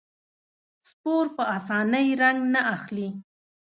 سپور په اسانۍ رنګ نه اخلي.